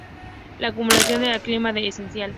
La acumulación de ciclina D es esencial.